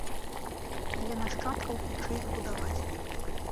Для нашчадкаў хутчэй збудаваць.